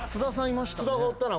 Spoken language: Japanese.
津田がおったな。